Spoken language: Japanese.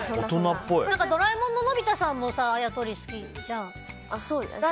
「ドラえもん」ののび太さんもあやとり好きじゃん。